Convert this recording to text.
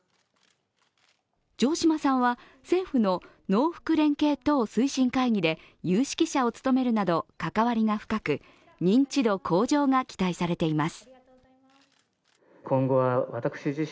城島さんは政府の農福連携等推進会議で有識者を務めるなど関わりが深く認知度向上が期待されています。